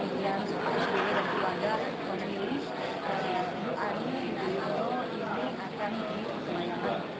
tidak ada audionya